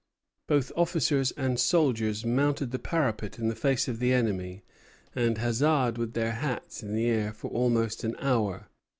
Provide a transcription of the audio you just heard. Both officers and soldiers mounted the parapet in the face of the enemy and huzzaed with their hats in the air for almost an hour.